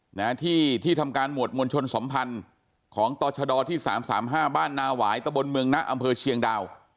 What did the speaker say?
หน้าที่ที่ทำการหมวดมวลชนสมพันธ์ของต่อชดที่สามสามห้าบ้านนาหวายตะบนเมืองนะอำเภอเชียงดาว